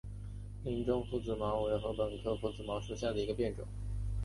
林中拂子茅为禾本科拂子茅属下的一个变种。